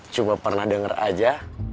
coba pernah dengar saja